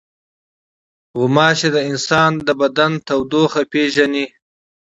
غوماشې د انسان د بدن تودوخه پېژني.